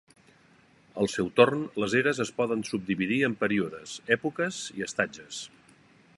Al seu torn, les eres es poden subdividir en períodes, èpoques i estatges.